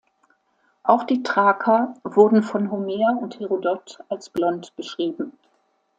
Auch die Thraker wurden von Homer und Herodot als blond beschrieben.